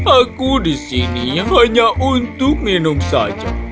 aku disini hanya untuk minum saja